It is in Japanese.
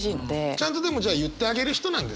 ちゃんとでも言ってあげる人なんですね。